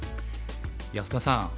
安田さん